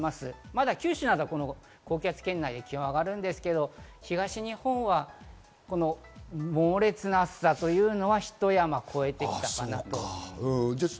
まだ九州南部は高気圧圏内で気温が上がるんですが、東日本は猛烈な暑さというのは、ひと山越えてきたかなと。